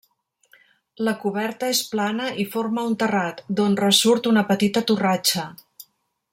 La coberta és plana i forma un terrat, d'on ressurt una petita torratxa.